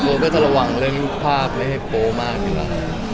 เค้าก็จะระวังเล่นภาพเล่นเ฾่อโปมากอยู่แล้ว